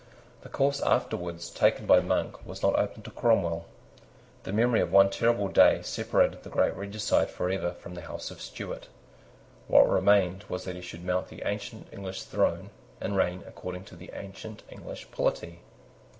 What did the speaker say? The course afterwards taken by Monk was not open to Cromwell. The memory of one terrible day separated the great regicide for ever from the House of Stuart. What remained was that he should mount the ancient English throne, and reign according to the ancient English polity.